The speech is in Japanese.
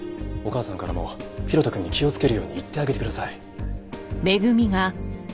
お母さんからも大翔くんに気をつけるように言ってあげてください。